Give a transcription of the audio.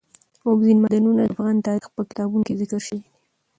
اوبزین معدنونه د افغان تاریخ په کتابونو کې ذکر شوی دي.